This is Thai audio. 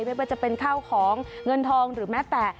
ไม่ว่าจะเป็นข้าวของเงินทองหรือแม้แต่